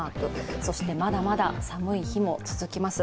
そしてまだまだ寒い日も続きます。